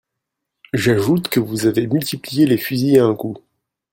J’ajoute que vous avez multiplié les fusils à un coup.